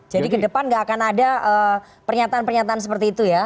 jadi ke depan gak akan ada pernyataan pernyataan seperti itu ya